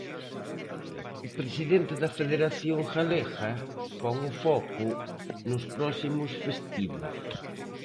O presidente da federación galega pon o foco nos próximos festivos.